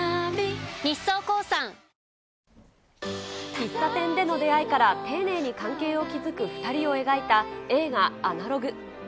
喫茶店での出会いから、丁寧に関係を築く２人を描いた映画、アナログ。